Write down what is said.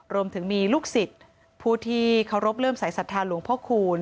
รวมถึงมีลูกศิษย์ผู้ที่เคารพเริ่มสายศรัทธาหลวงพ่อคูณ